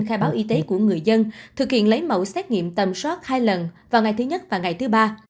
khai báo y tế của người dân thực hiện lấy mẫu xét nghiệm tầm soát hai lần vào ngày thứ nhất và ngày thứ ba